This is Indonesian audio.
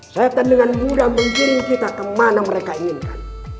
setan dengan mudah menggiring kita kemana mereka inginkan